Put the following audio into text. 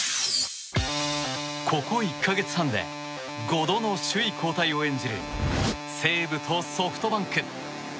ここ１か月半で５度の首位交代を演じる西武とソフトバンク。